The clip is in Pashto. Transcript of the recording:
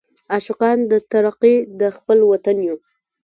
عاشقان د ترقۍ د خپل وطن یو.